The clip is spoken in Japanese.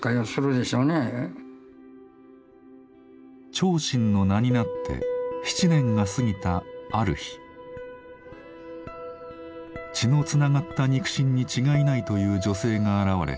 長信の名になって７年が過ぎたある日血のつながった肉親に違いないという女性が現れ